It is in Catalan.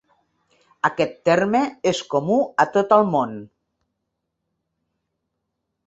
Aquest terme és comú a tot el món.